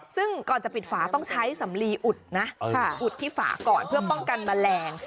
ซึ่งก่อนจะปิดฝาต้องใช้สำลีอุดนะอุดที่ฝาก่อนเพื่อป้องกันแมลง